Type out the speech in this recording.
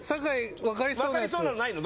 分かりそうなのないの？